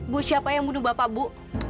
bu siapa yang buduh bapak bu